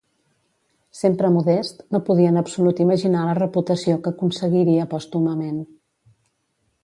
Sempre modest, no podia en absolut imaginar la reputació que aconseguiria pòstumament.